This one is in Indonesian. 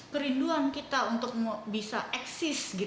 kerinduan kita untuk bisa eksis